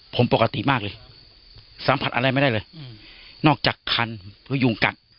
ผมปกติมากเลยสัมผัสอะไรไม่ได้เลยนอกจากคันเพื่อยุงกัด